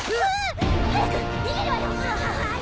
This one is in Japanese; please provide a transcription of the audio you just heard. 早く逃げるわよ！ははい。